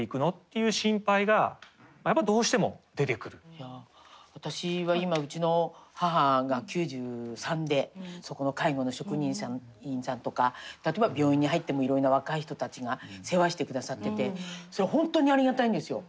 そうしますとじゃあ私は今うちの母が９３でそこの介護の職員さんとか例えば病院に入ってもいろいろな若い人たちが世話してくださっててそれは本当にありがたいんですよ。